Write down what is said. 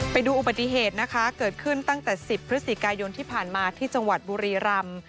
ไปดูอุบัติเหตุนะคะเกิดขึ้นตั้งแต่๑๐พฤศจิกายนที่ผ่านมาที่จังหวัดบุรีรำ